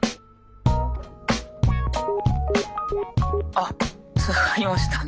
あっつながりましたね。